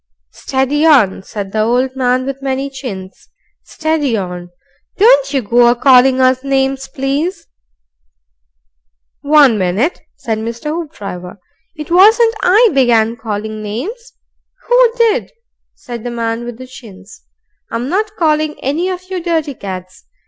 "Steady on!" said the old gentleman with many chins. "Steady on! Don't you go a calling us names, please." "One minute!" said Mr. Hoopdriver. "It wasn't I began calling names." ("Who did?" said the man with the chins.) "I'm not calling any of you dirty cads.